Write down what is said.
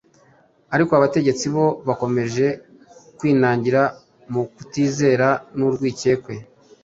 ariko abategetsi bo bakomeje kwinangira mu kutizera n’urwikekwe.